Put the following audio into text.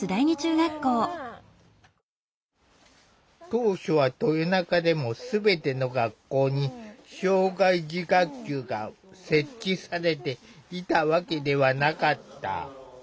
当初は豊中でもすべての学校に障害児学級が設置されていたわけではなかった。